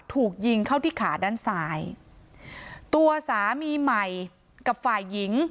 ถูกยิงเข้าที่ขาด้านซ้ายตัวสามีใหม่กับฝ่ายหญิง